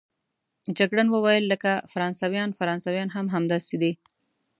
جګړن وویل: لکه فرانسویان، فرانسویان هم همداسې دي.